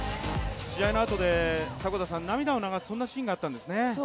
試合のあとで涙を流す、そんなシーンがあったんですね。